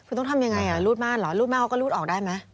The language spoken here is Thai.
คือต้องทำยังไงรูดม่านเหรอรูดแม่เขาก็รูดออกได้ไหม